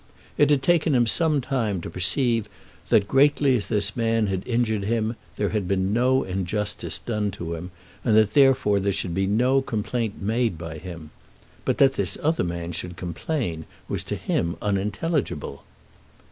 It had taken him some time to perceive that greatly as this man had injured him, there had been no injustice done to him, and that therefore there should be no complaint made by him. But that this other man should complain was to him unintelligible.